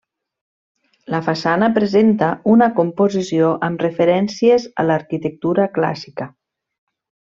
La façana presenta una composició amb referències a l'arquitectura clàssica.